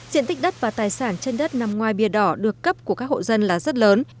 diện tích đất và tài sản trên đất nằm ngoài bia đỏ được cấp của các hộ dân là rất lớn